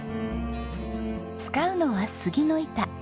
使うのは杉の板。